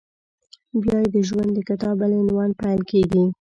بیا یې د ژوند د کتاب بل عنوان پیل کېږي…